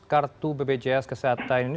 kartu ppts kesehatan ini